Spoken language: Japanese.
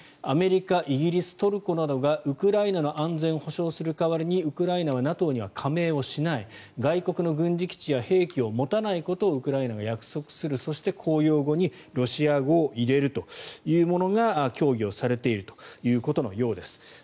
アメリカ、イギリストルコなどがウクライナの安全を保障する代わりにウクライナはＮＡＴＯには加盟しない外国の軍事基地や兵器を持たないことをウクライナが約束するそして、公用語にロシア語を入れるというものが協議をされているようです。